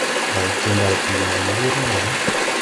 Ndày jo mbày bii ma ni wur lay ?